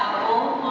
maupun dari sma